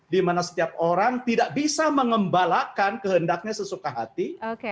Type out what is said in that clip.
dimana setiap orang tidak bisa mengembalakan kehendaknya sesuka hati